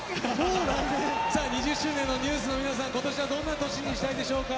２０周年のＮＥＷＳの皆さん今年はどんな年にしたいでしょうか？